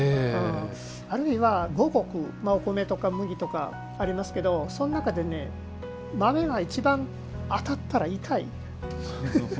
あるいは、五穀のお米とか麦とかありますけどその中で豆が一番当たったら痛い。